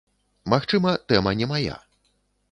Магчыма, тэма не мая.